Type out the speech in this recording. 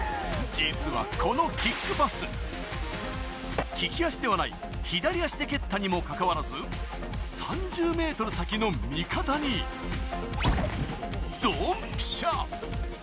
実はこのキックパス、利き足ではない、左足で蹴ったにもかかわらず３０ｍ先の味方にドンピシャ！